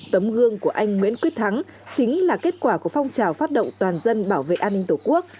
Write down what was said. tấm gương của anh nguyễn quyết thắng chính là kết quả của phong trào phát động toàn dân bảo vệ an ninh tổ quốc